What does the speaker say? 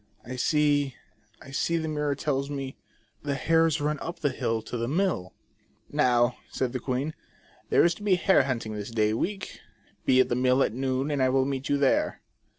" I see, I see, the mirror tells me, The hares run up the hill to the mill." " Now", said the queen, " there is to be a hare hunting this day week ; be at the mill at noon, and I will meet you there."